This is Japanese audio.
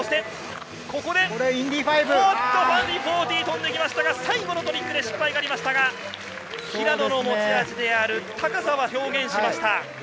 ５４０を飛んできましたが最後のトリックで失敗がありましたが平野の持ち味である高さは表現しました。